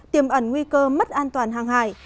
tìm ẩn nguy cơ mất an toàn hàng hải